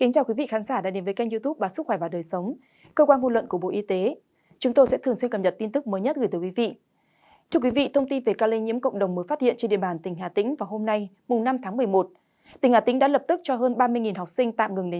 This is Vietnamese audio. các bạn hãy đăng ký kênh để ủng hộ kênh của chúng mình nhé